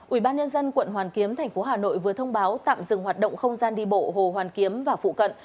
ủy ban nhân dân quận hoàn kiếm thành phố hà nội vừa thông báo tạm dừng hoạt động không gian đi bộ hồ hoàn kiếm và phụ cận